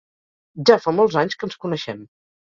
Ja fa molts anys que ens coneixem.